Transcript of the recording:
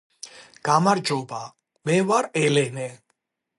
გამარჯობა მე ვარ ელენე